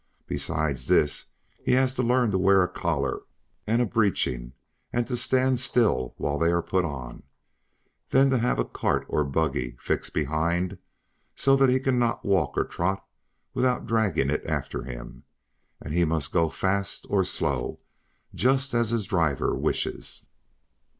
Besides this, he has to learn to wear a collar, and a breeching, and to stand still while they are put on; then to have a cart or a buggy fixed behind, so that he cannot walk or trot without dragging it after him; and he must go fast or slow, just as his driver wishes.